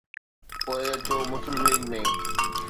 پوءِ اچو Muslim League ۾.